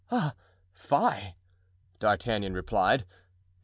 "Ah, fie!" D'Artagnan replied.